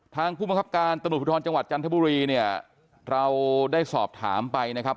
ผู้บังคับการตำรวจภูทรจังหวัดจันทบุรีเนี่ยเราได้สอบถามไปนะครับ